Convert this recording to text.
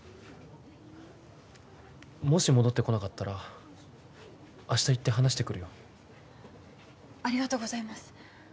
もし戻ってこなかったら明日行って話してくるよありがとうございます